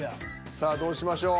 さあどうしましょう？